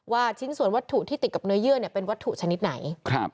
ชิ้นส่วนวัตถุที่ติดกับเนื้อเยื่อเป็นวัตถุชนิดไหน